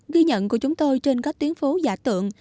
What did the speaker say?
ghi nhận của chúng tôi trên các tuyến phố giả tượng